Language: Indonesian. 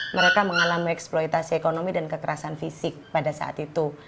mereka mengalami eksploitasi ekonomi dan kekerasan fisik pada saat itu